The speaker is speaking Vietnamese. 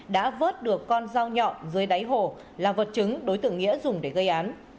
đã vớt được con dao nhọn dưới đáy hồ là vật chứng đối tượng nghĩa dùng để gây án